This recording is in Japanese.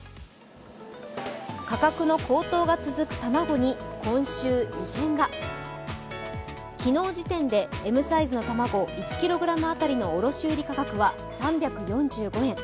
価格の高騰が続く卵に今週、異変が昨日時点でＭサイズの卵１ｋｇ当たりの卸売価格は３４５円。